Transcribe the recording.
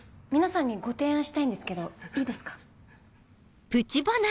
皆さんにご提案したいんですけどいいですか？